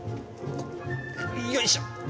よいしょ。